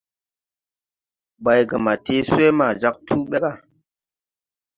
Baygama tee swee ma jāg tuu ɓe ga.